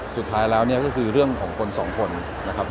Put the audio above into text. สุดท้ายแล้วเนี่ยก็คือเรื่องของคนสองคนนะครับ